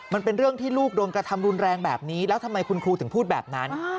มันเป็นเรื่องที่ลูกโดนกระทำรุนแรงแบบนี้แล้วทำไมคุณครูถึงพูดแบบนั้น